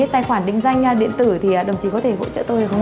tài khoản định danh điện tử thì đồng chí có thể hỗ trợ tôi không ạ